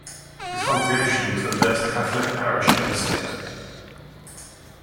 The congregation was the first Catholic parish in the state.